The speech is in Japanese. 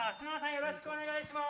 よろしくお願いします！